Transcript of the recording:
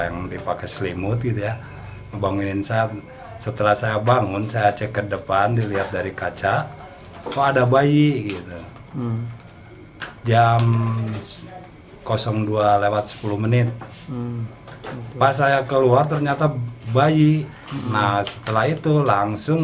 nah setelah itu langsung bayi itu diambil oleh istri saya